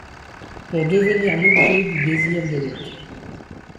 Pour devenir l’objet du désir de l’autre.